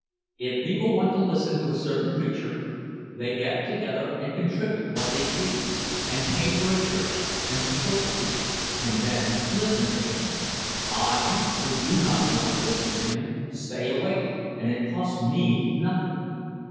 If people want to listen to a certain preacher, they get together and contribute what they please, and pay for a church and support the preacher, and then listen to him; I, who do not want to listen to him, stay away, and it costs me nothing.